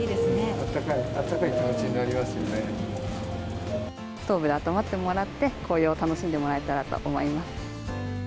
あったかい、ストーブであったまってもらって、紅葉を楽しんでもらえたらと思います。